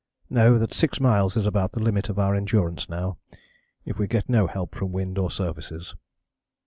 Know that 6 miles is about the limit of our endurance now, if we get no help from wind or surfaces.